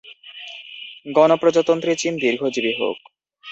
গণপ্রজাতন্ত্রী চীন দীর্ঘজীবী হোক।